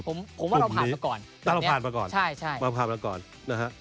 ผมผมว่าเราผ่านมาก่อนถ้าเราผ่านมาก่อนใช่ใช่มาผ่านมาก่อนนะฮะ